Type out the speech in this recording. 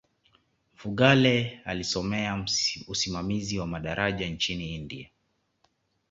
mfugale alisomea usimamizi wa madaraja nchini india